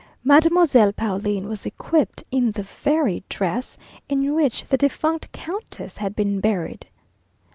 Mademoiselle Pauline was equipped in the very dress in which the defunct countess had been buried!